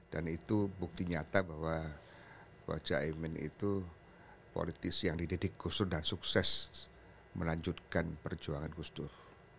dan itu bukti nyata bahwa pak cak emin itu politisi yang dididik gus dur dan sukses melanjutkan perjuangan gus dur